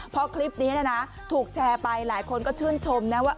พอคลิปนี้ถูกแชร์ไปหลายคนก็ชื่นชมนะว่า